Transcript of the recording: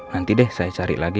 nanti deh saya cari lagi